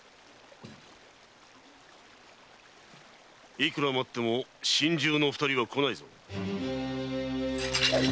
・いくら待っても心中の二人は来ないぞ。